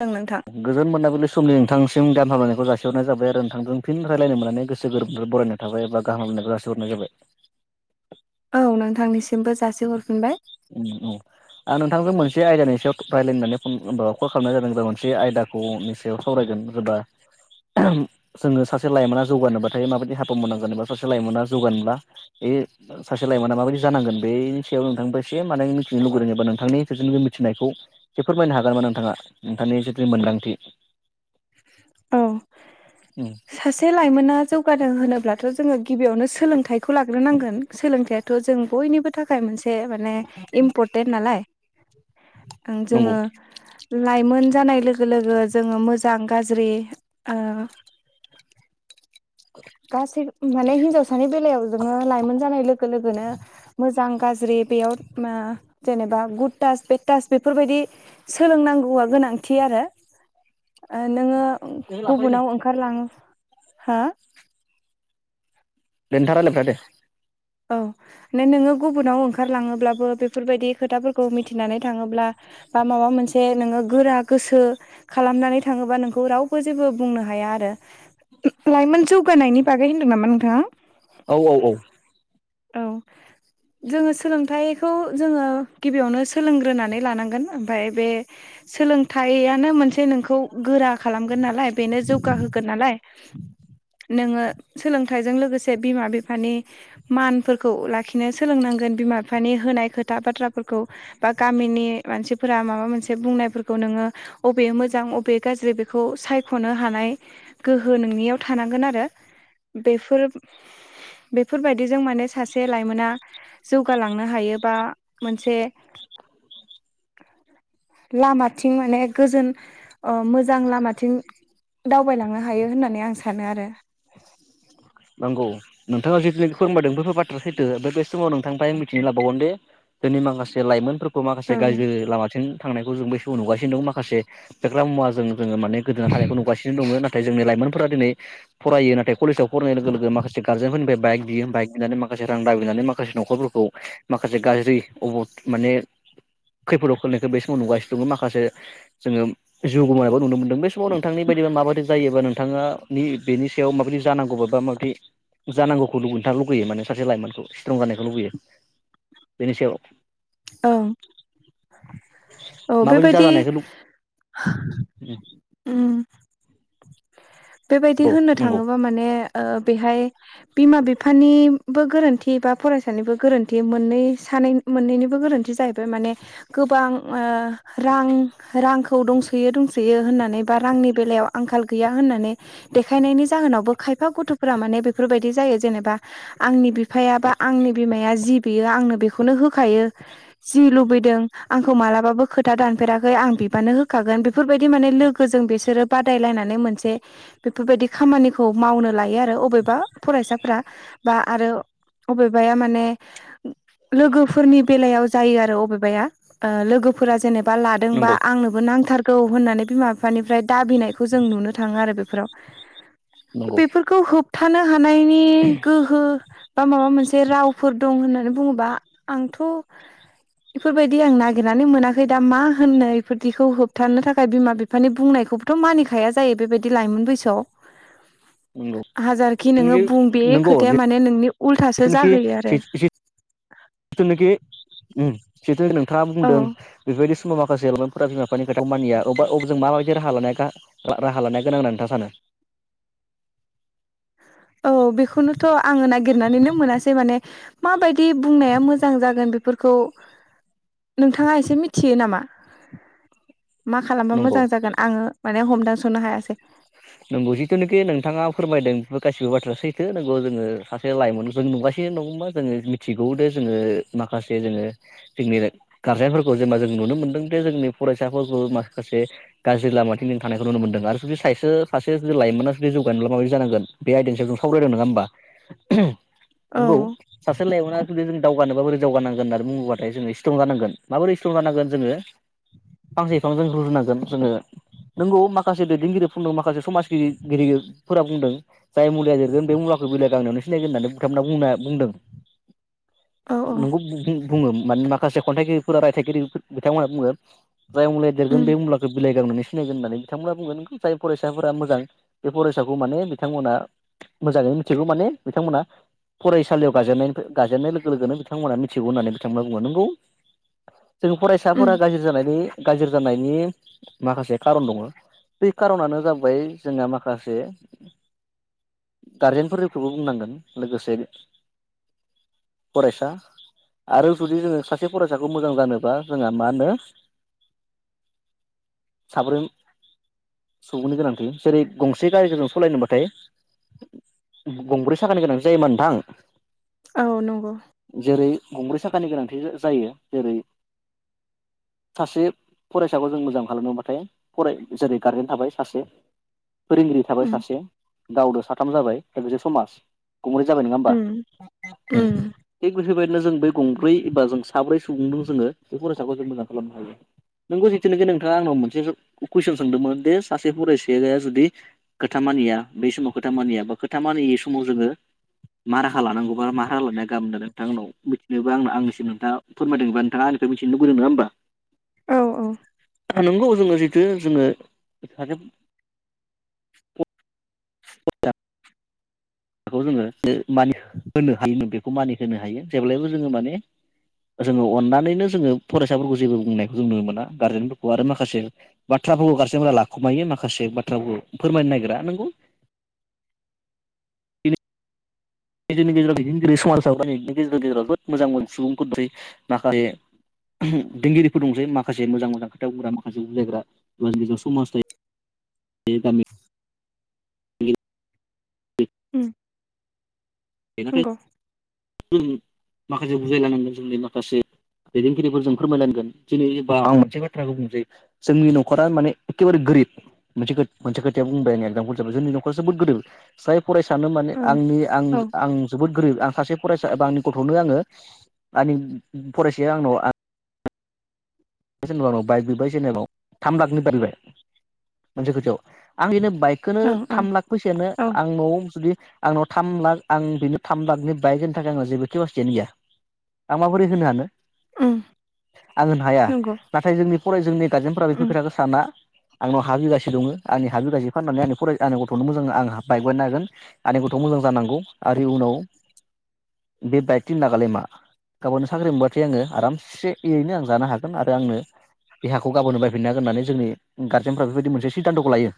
जों नोंथां गोजोन मोननायिलि समनि नोंथांसिम दाम हामलायनायखौ जासिहरनाय जाब आरो नोंथांजों फिन रायलायनो मोननानै गोसो गोरोबनानै बरायनाय थाबाय एबा गाहाम हामलायनायखो जासि हरनाय जाबाय। औ नोंथांनिसिमबो जासि हरफिनबाय। आं नोंथांजों मोनसे आयदानि सायाव रायज्लायनानै फन नाम्बाराव कल खालामनाय जादों ज मोनसे आयदाखौ खौ निसायाव सावरायगोन एबा जोङो सासे लाइमोना जौगानोबाथायायो माबायदि हाबा मावोनां जानोबा सासे लाइमोना जौगानोब्ला बे सासे लाइमोना माबायदि जानांगोन। बेनि सायाव नोंथांबो एसे माने मिथिनो लुगैदों एबा नोंथांनिनि बे मिथिनायखौ [unintelligible] फोरमायनो हागोन नामा नोंथाङा नोंथांनि जिथु मोनदांथि। [inaudible] औ सासे लाइमोना जौगादों होनोब्लाथ' जोङो गिबियावनो सोलोंथाइखौ लाग्रोनांगोन। सोलोंथायाथ' जों बयनिबो थाखाय मोनसे माने इम्परटेन्ट नालाय, नंगौ जोङो लाइमोन जानाय लोगो लोगो जोङो मोजां गाज्रि, ओ गासै माने हिनजावसानि बेलायाव जोङो लाइमोन जानाय लोगो लोगोनो मोजां गाज्रि बेयाव मा जेनेबा गुड टास बेड टास बेफोरबायदि सोलोंनांगौआ गोनांथि आरो ओ नोङो दे नोंथाङा गुबुनाव ओंखारलाङो हो? [unintelligible] दे औ माने नोङो गुबुनाव ओंखारलाङोब्लाबो बेफोरबायदि खोथाफोरखौ मिथिनानै थाङोब्ला बा माबा मोनसे नोङो गोरा गोसो खालामनानै थाङोबा नोंखौ रावबो जेबो बुंनो हाया आरो। लाइमोन जौगानायनि बागै होनदों नामा नोंथाङा? औ औ औ। औ। जोङो सोलोंथाइखौ जोङो गिबियावनो सोलोंग्रोनानै लानांगोन ओमफ्राय बे सोलोंथाइयानो मोनसे नोंखौ खौ गोरा खालामगोन नालाय बेनो जौगाहोगोन नालाय, नोङो सोलोंथाइजों लोगोसे बिमा बिफानि मानफोरखौ लाखिनो सोलोंनांगोन बिमा बिफानि होनाय खोथा बाथ्राफोरखौ बा गामिनि मानसिफोरा माबा मोनसे बुंनायफोरखौ नोङो बबे मोजां अबे गाज्रि बेखौ सायख'नो हानाय गोहो नोंनियाव थानांगोन आरो। बेफोर-बेफोरबायदि बिदिजों माने सासे लाइमोना जौगालांनो हायो बा मोनसे लामाथिं माने गोजोन ओ मोजां लामाथिं दावबायलांनो हायो होननानै आं सानो आरो। नांगौ नोंथाङा जि जि फोरमादों बेफोर बाथ्रा सैथो। ओमफ्राय बे समाव नोंथांनिफ्राइ मिथिना लाबावगोन दे जोंनि माखासे लाइमोन माखासे औ गाज्रि लामाथिं थांनायखौ जों बै समआव नुगासिनो दं माखासे फेग्रा मुवा जों जोङो माने गोदोना थानायखौ नुगासिनो दङ, नाथाय जोंनि लाइमोनफोरा दिनै फरायो नाथाय कलेजाव फरायनाय लोगो माखासे गार्जेनफोरनिफ्राय बाइक बियो बाइक बिनानै माखासे रां दाबिनानै माखासे न'खरफोरखौ माखासे गाज्रि अब माने खैफोदाव खोलैनायखौ बे समाव नुगासिनो दङ माखासे जोङो जिउ गोमानायबो नुनो मोनदों, बे समाव नोंथांनि बायदिब माबायदि जायोबा नोंथाङा बेनि सायाव माबायदि जानांगौबा माबा माबि जानांगौखौ नोंथाङा लुगैयो? माने सासे लाइमोनखौ स्ट्रं जानायखौ लुुगैयो? बेनि सायाव औ। औ माबायदि बेबायदि जाजानायखौ लु ओम। बेबायदि औ होननो नंगौ थाङोबा माने ओ बेहाय बिमा बिफानिबो गोरोन्थि बा फरायसानिबो गोरोन्थि मोननै सानै मोननैनिबो बो गोरोन्थि जाहैबाय माने गोबां ओ रां रांखौ दंसोयो दंसोयो होननानै बा रांनि बेलायाव आंखाल गैया होननानै देखायनायनि जाहोनावबो खायफा गथ'फोरा माने बेफोरबायदि जायो जेनेबा आंनि बिफाया बा आंनि बिमाया जि बियो आंनो बेखौनो होखायो। जि लुबैदों आंखौ मालाबाबो खोथा दानफेराखै आं बिबानो होखागोन। बेफोरबायदि माने लोगो फोरजों बिसोरो बादायलायनानै मोनसे बेफोरबायदि खामानिखौ मावनो लायो आरो अबेबा फरायसाफोरा। बा आरो अबेबाया माने लोगोफोरनि बेलायाव जायो आरो अबेबाया, ओ लोगोफोरा जेनेबा लादों बा नंगौ आंनो बो नांथारगौ होननानै बिमा बिफानिफ्राय दाबिनायखौ जों नुनो थाङो आरो बेफोराव। नंगौ बेफोरखौ होबथानो हानायनि गोहो बा माबा मोनसे रावफोर दं होननानै बुङोबा आंथ' बेफोरबायदि आं नागिरनानै मोनाखै दा मा होननो इफोरदिखौ होबथानो थाखाय बिमा बिफा मानि बुंनायखौबोथ' मानिखाया जायो बेबायदि लाइमोन बैसोयाव। नंगौ हाजारखि जिथुनाखि नोङो बुं बे नंगौ खोथाया माने नोंनि उल्थासो जिथुनाखि जाहोयो आरो। जिथुनाखि जिथु नोंथाङा औ बुंदों बेबायदि माखासे लाइमोनफोरा बिमा बिफानि खोथाखौ मानिया अबा अब जों माबायदि राहा लानाया राहा लानाया गोनां होनना नोंथा सानो? औ बेखौनोथ' आङो नागिरनानैनो मोनासै माने माबायदि बुंनाया मोजां जागोन फोरखौ, नोंथाङा एसे मिथियो नामा? मा खालामबा नंगौ मोजां जागोन आङो माने हमदांस'नो हायासै। नोंगौ जिथुनोखि नोंथाङा फोरमायदों बेफोर गासिबो बाथ्रा सैथो नोंगौ जोङो लाइमोनखौ जों नुगासिनो नङौबा जोङो मिथिगौ दे जोङो माखासे जोङो जोंनि गारजेनफोरखौ जेनेबा जों नुनो मोनदों जे जोंनि फरायसाफोरखौ माखासे गाज्रि लामाथिं नों थानायखौ नुनो मोनदों आरो जुदि साइस सासे जुदि लाइमोना जुदि जौगानायब्ला माबायदि जानांगोन बे आयदानि सायाव जों सावरायदों नङा होमबा? औ नोंगौ सासे लायमोना जों दावगानोबा बोरै दावगानांगोन होननानैु बुङोबाथाय जोङो सिट्रं जानांगोन माबोरै सिट्रं जानांगोन जोङो फांसे बिफां जों रुजुनांगोन जोङो नंगौ माखासे दैदेनगिरि बुंदों माखासे समाजगिरिफोरा बुंदों। जाय मुलिया जिरगोन बे मुलाखौ बिलाइ गांनैयावनो सिनायगोन होननानै बिथांमोना बुंदों। औ [unintelligible] औ बुङो माने माखासे खन्थाइगिरिफोरा रायथाइगिरि बिथांमोना बुङो जाय मुुलाया देरगोन उम बे मुलाखौ बिलाय गांनैयावनो सिनायगोन होननानै बिथांमोना बुंङो। जाय फरायसाफोरा मोजां बे फरायसाखौ माने बिथांमोना मोजाङै मिथिगौ माने बिथांमोना फरायसालियाव गाजेननायनि गाजेननाय लोगो लोगोनो बिथांमोना मिथिगौ होननानै बिथांमोना बुङो नोंगौ। [inaudible] जों उम फरायसाफोरा गाज्रि जानायनि गाज्रि जानायनि माखासे खारन दङ। बै खार'नानो जाबाय जोंना माखासे गारजेनफोरखौबो बुंनांगोन लोगोसे फरायसा आरो जुदि जोङो सासे फरायसाखौ मोजां जानोबा जोंहा मा होनो साब्रै सुबुंनि गोनांथि जेरै गंसे गारिखौ जों सालायनोबाथाय गंब्रै साखानि गोनांसो जायोमोन नोंथां? औ नंगौ। जेरै गंब्रै साखानि गोनांथि जायो जेरै सासे फरायसाखौ जों मोजां खालामनोबाथाय फराय जेरै गारजेन थाबाय सासे फोरोंगिरि थाबाय उम सासे। गावजों साथाम जाबाय एसे समाज गंग्रै जाबाय नङा होमबा? उम उम थिग बेफोरबायदिनो जों बै गंब्रै एबा जों साब्रै सुबुंजों जोङो बे फरायसाखौ जों मोजां खालामनो हायो। नोङो जिथुनाखि नोंथाङा आंनाव मोनसे कुइसन सोंदोंमोन दि सासे फरायसाया जुदि खोथा मानिया बै समाव खोथा मानिया बा खोथा मानियै समाव जोङो मा राहा लानांगौबा मा राहा लानाया गाबोन दा नोंथां उनाव मिथिनोबो आं आंनिसिम नोंथां फोरमायदोंबा नोंथांनिखौ मिथिनो लुबैदों नङा होनबा? औ औ नोंगौ जोङो जिथु जोङो [inaudible] [unintelligible] बेखौ जोङो मानि होनो हालिनो बेखौ मानि होनोनो हायो जेब्लायबो जोङो माने जोङो अननानैनो जोङो फरायसाफोरखौ जेबो बुंनायखौ जों नुनो मोना गारजेनफोरखौ आरो माखासे बाथ्राफोरखौ गारजेनफोरा लाखुमायो माखासे बाथ्राफोरखौ फोरमायनो नागिरा नोंगौ जोंनि गेजेराव दैदेनगिरि समाजाव गेजेर गेजेराव जोबोद मोजां मोन सुबुं [unintelligible] माखासे दैदेनगिरिफोर दंसै माखासे मोजां मोजां खोथा बुंग्रा माखासे बुजायग्रा बर'समाजनि [inaudible] [inaudible] ओम [unintelligible] [unintelligible] जों माखासे बुजायलायनांगोन जोंनि माखासे दैदेनगिरिफोरजों फोरमायलांगोन दिनैबा आं मोनसे बाथ्राखौ बुंनोसै जोंनि न'खरा माने एखेबारे गोरिब मोनसे मोनसे खोथाया बुंबाय आं एक्जामपोल जाबाय जोंनि नखरा जोबोद गोरिब जाय फरायसानो माने औ आंनि आं औ आं जोबोद गोरिब आं सासे फरायसा बा आंनि गथ'नो आङो आंनि फरायसाया आंनाव सोरबा आंनाव बाइक बिबाय सोरबानाव थाम लाखनि बारबाय मोनसे खोथायाव आं बिनो बाइक खौनो ओं ओं थाम लाख फैसायानो औ आंनाव जुदि आंनाव थाम लाख आं बेनि थाम लाखनि बाइकनि थाखाय आं जेबो खिफासिथियानो गैया आं माबोरै होनो हानो उम आं होनो हाया नंगौ नाथाय जोंनि फराय जोंनि गारजेनफोरा बेफोर उम खोथाखौ साना आंनाव हा बिगासे दङ आंनि हा बिगासे फाननानै आंनि फरायसा आंनि गथ'नो मोजां आंहा बाइक बायना होगोन आंनि गथ' मोजां जानांगौ आरो इउनाव बे बाइक थिन लाकालाय मा गाबोननो साख्रि मोनबाथाय आङो आरामसे एरैनो आं जानो हा गोन आरो आंनो बे हाखौ गाबोननो बाय फिननो हागोन होन्नानै जोंनि गारजेनफ्रा बेफोरबायदि मोनसे खिदानथखौ लायो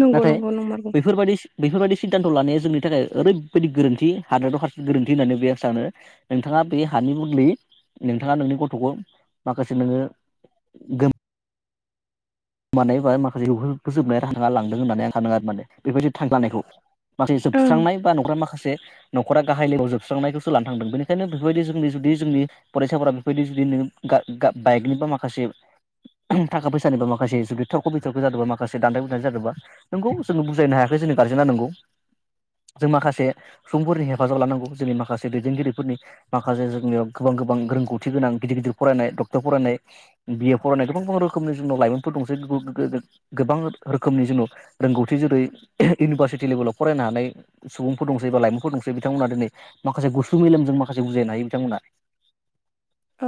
नंगौ नाथाय नंगौ नंमारगौ बैफोरबायदि बेफोरबायदि सिदान्थ' लानाया जोंनि थाखाय ओरैबायदि गोरोन्थि हादोराव सासे गोरोन्थि होननानै बे आं सानो। नोंथाङा बे हानि बदलै नोंथाङा नोंनि गथ'खौ माखासे नोङो गो मानाय बा माखासे [unintelligible] फोजोबनाय [unintelligible] लांदों होननानै आं आरो माने बेफोरबायदि थांग्लानायखौ माखासे ओं जोबस्रांनाय बा न'खरा माखासे न'खरा गाहाय लोगो जोबसांखौसो लना थांदों बेनिखायनो बेफोरबायदि जोंनि जुदि जोंनि फरायसाफोरा बेफोरबायदि जुदि गा‌-गा बाइक निबा माखासे थाखा फैसानिबा मा खासे जुदि थरख' बिथरख' जादों बा माखासे दानथे बिथानथे जादोंबा नोंगौ जोङो बुजायनो हायाखै जोंनि गारजेना नंगौ जों माखासे सुबुंफोरनि हेफाजाब लानांगौ जोंनि माखासे दैदेनगिरिफोरनि माखासे जोंनियाव गोबां गोबां रोंगौथि गोनां गिदिर गिदिर फरायनाय डक्टर फरायनाय बिए फरायनाय गोबां गोबां रोखोमनि जोंनाव लाइमोनफोर दंसै गो-गो गोबां रोखोमनि जोंनाव रोंगौथि जेरै इउनिभारसिटि लेभेलाव फरायनो हानाय सुबुंफोर दंसै बा लाइमोनफोर दंसै बिथांमोना दिनै माखासे गुसु मेलेमजों माखासे बुजायनो हायो बिथांमोना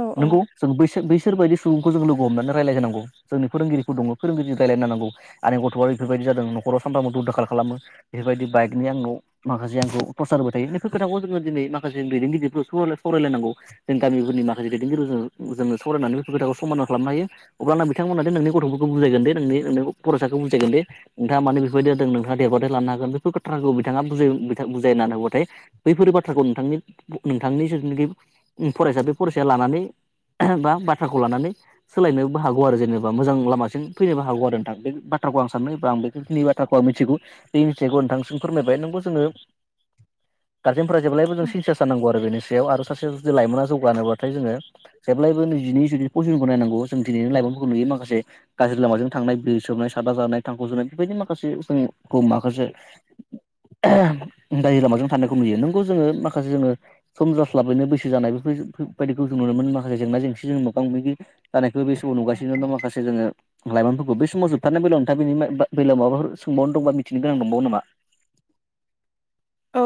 औ औ नंगौ जों बैसोर बैसोर बायदि सुबुंखौ जों लोगो हमनानै रायलाय होनो नांगौ जोंनि फोरोंगिरिखौ दङ फोरोंगिरिजों रायलाय नांगौ आंनि गथ'आ बेफोरबायदि जादों नखराव सानफ्राम दुम दाखाल खालामो। बेफोरबायदि बाइकनि आंनाव माखासे आंखौ थरसार होबाय थायो बैफोर खोथाखौ जोङो माखासे दैदेनगिरिफोरखौ सावरायलायनांगौ जों गामिफोरनि माखासे दैदेनगिरिफोरजों जोङो सावरायनानै हो खोथाखौ समादान खालामनो हायो। अब्लाना बिथांमोना नोंनि गथ'फोरखौ बुजायगोन दे नों नोंनि फरायसाखौ बुजायगोन दे नोंथाङा माने बेफोरबायदि जादों नोंथाङा देरबाथाय लानो हागोन बेफोर खोथाखौ बिथाङा बुजाय बुजायनानै होबाथाय बैफोरो बाथ्राखौ नोंथांनि नोंथांनि जिथुनाखि फरायसा बे फरायसाया लानानै बा बाथ्राखौ लानानै सोलायनोबो हागौ आरो जेनेबा बा मोजां लामासि फैनोबो हागौ आरो नोंथां बे बाथ्राखौ आं सानदों बा आं बेखिनि बाथ्राखौ आं मिथिगौ बे मिथिनायखौ नोंथांनिसिम फोरमायबाय नंगौ जोङो गार्जेनफोरा जेब्लायबो जों सिनसियास जानांगौ आरो बेनि सायाव आरो सासे जुदि लाइमोना जौगानोबाथाय जोङो जेब्लायबो निजिनि जुदि पजिनखौ नायनांगौ जों दिनैनि लाइमोनफोरखौ नुयो माखासे गाज्रि लामाजों थांनाय बिरि सोबनाय सादा जानाय थांखु जानाय बेबायदि माखासे जोंखौ माखासे दाय लामाजों थानायखौ नुयो नोंगौ जोङो माखासे जोङो सम जास्लाबैनो बैसो जानाय बेफोरबायायदिखौ जों नुनो मोनो माखासे जेंना जेंसि जों मोगा मोगि जानायखौबो बे समाव नुगासिनो दं माखासे जोङो लाइमोनफोरखौ बे समाव जोबथारनाय बेलायाव नोंथा बेनि बेलायाव माबाफोर सोंबावनो दंबा मिथिनो गोनांं दंबावो नामा औ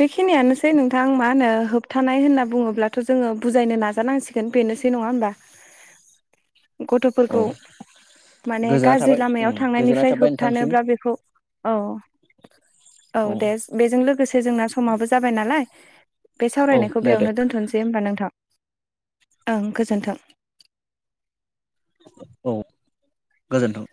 बेखिनियानोसै नोंथां मा होनो होब होथानाय होनना बुङोब्लाथ' जोङो बुजायनो नाजानांसिगोन बेनोसै नङा होमबा गथ'फोरखौ माने गोजोननाय गाज्रि थाबाय उम लामायाव गोजोननाय थांनायनिफ्राय थाबाय नोंथांसिम होबथानोब्ला बेखौ औ औ दे बेजों लोगोसे जोंना समाबो जाबाय नालाय बे औ सावरायनायखौ दे दे बेयावनो दोनथ'नोसै दे होनोमबा नोंथां ओं गोजोन्थों औ गोजोनथों